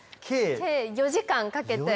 計４時間かけて。